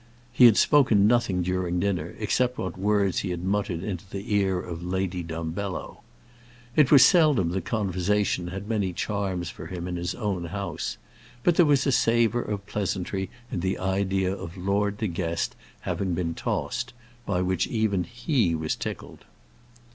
He had spoken nothing during dinner except what words he had muttered into the ear of Lady Dumbello. It was seldom that conversation had many charms for him in his own house; but there was a savour of pleasantry in the idea of Lord De Guest having been tossed, by which even he was tickled.